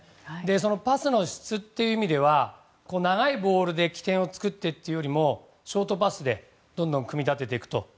そのパスの質という意味では長いボールで起点を作ってというよりもショートパスでどんどん組み立てていくと。